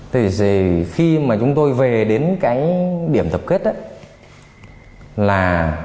thì khi mà chúng tôi về đến cái điểm tập kết là